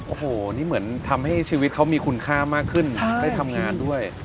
โอ้โหนี่เหมือนทำให้ชีวิตเขามีคุณค่ามากขึ้นได้ทำงานด้วย